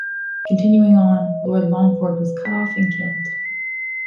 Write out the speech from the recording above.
Continuing on, Lord Longford was cut off and killed.